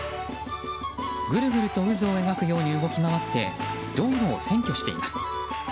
ぐるぐると渦を描くように動き回って道路を占拠しています。